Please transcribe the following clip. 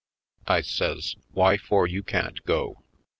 I says: "Whyfore you can't go?"